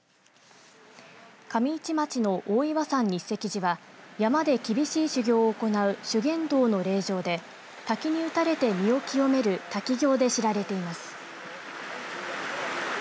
上市町の大岩山日石寺は山で厳しい修行を行う修験道の霊場で滝に打たれて身を清める滝行で知られています。